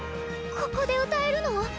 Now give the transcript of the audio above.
ここで歌えるの？